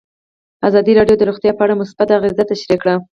ازادي راډیو د روغتیا په اړه مثبت اغېزې تشریح کړي.